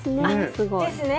すごい。ですね。